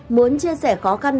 muốn chia sẻ khó khăn